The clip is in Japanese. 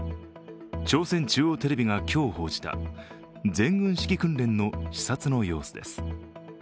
朝鮮中央テレビが今日報じた全軍指揮訓練の視察の様子です。